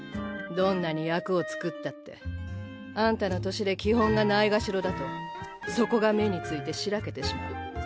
どんなに役を作ったってあんたの年で基本がないがしろだとそこが目に付いてしらけてしまう。